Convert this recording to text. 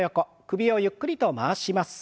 首をゆっくりと回します。